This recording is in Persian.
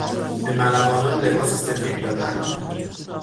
به ملوانان لباس سفید دادند.